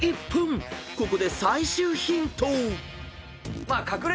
［ここで最終ヒント］